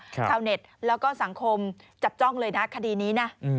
ชาวเน็ตแล้วก็สังคมจับจ้องเลยนะคดีนี้นะ